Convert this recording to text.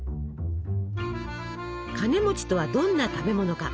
カネとはどんな食べ物か。